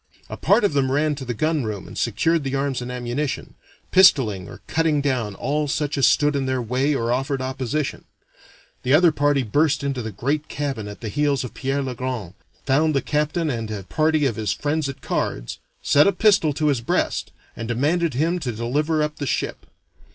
A part of them ran to the gun room and secured the arms and ammunition, pistoling or cutting down all such as stood in their way or offered opposition; the other party burst into the great cabin at the heels of Pierre le Grand, found the captain and a party of his friends at cards, set a pistol to his breast, and demanded him to deliver up the ship.